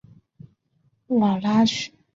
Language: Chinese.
瓜拉雪兰莪县的县城和县府皆为瓜拉雪兰莪。